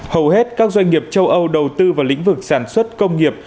hầu hết các doanh nghiệp châu âu đầu tư vào lĩnh vực sản xuất công nghiệp